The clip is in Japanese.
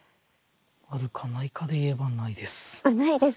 あるかないかで言えばないです。